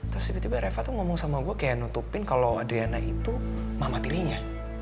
terus tiba tiba reva tuh ngomong sama gue kayak nutupin kalau adriana itu mah materinya